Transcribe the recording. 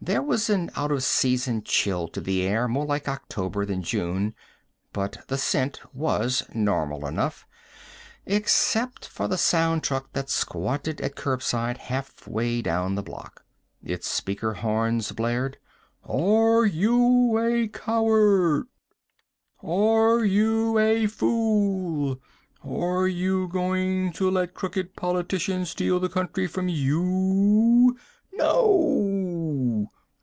There was an out of season chill to the air, more like October than June; but the scent was normal enough except for the sound truck that squatted at curbside halfway down the block. Its speaker horns blared: "Are you a coward? Are you a fool? Are you going to let crooked politicians steal the country from you? NO!